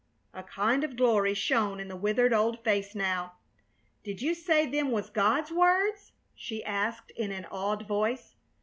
'" A kind of glory shone in the withered old face now. "Did you say them was God's words?" she asked in an awed voice.